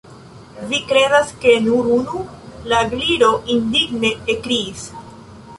"Vi kredas ke nur unu?" la Gliro indigne ekkriis.